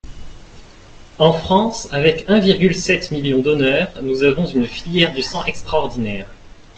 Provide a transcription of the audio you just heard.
En France, avec un virgule sept million donneurs, nous avons une filière du sang extraordinaire.